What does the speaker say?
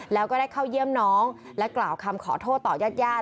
แล้วก็ได้เข้าเยี่ยมน้องและกล่าวคำขอโทษต่อญาติญาติ